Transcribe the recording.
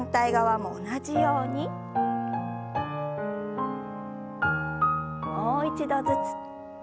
もう一度ずつ。